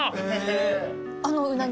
あのうなぎ？